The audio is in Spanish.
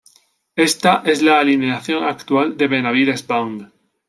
Esta es la alineación actual de Benavides Band.